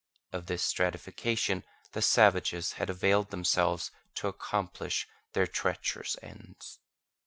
Of this stratification the savages had availed themselves to accomplish their treacherous ends.